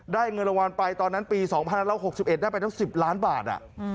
ได้เงินระวัลไปตอนนั้นปีสองพันห้าร้านหกสิบเอ็ดได้ไปตั้งสิบล้านบาท